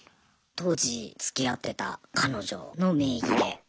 当時つきあってた彼女の名義で。